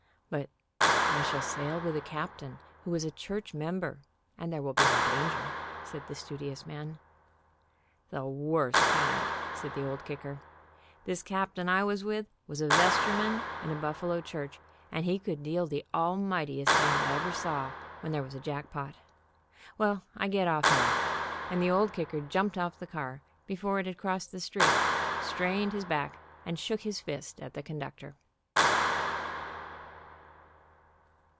"But I shall sail with a captain who is a church member, and there will be no danger," said the stu dious man. "The worst kind," said the Old Kicker. "This captain I was with was a vestryman in a Buffalo church, and he could deal the almightiest hands I ever saw, when there was a jackpot. Well, I get off here," and the Old Kicker jumped off the car before it had crossed the street, strained his back, and shook his fist at the conductor.